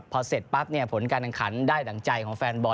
พอเสร็จปั๊บเนี่ยผลการแข่งขันได้ดั่งใจของแฟนบอล